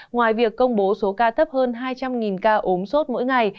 ngoài việc công bố số ca tấp hơn hai trăm linh ca ốm sốt mỗi ngày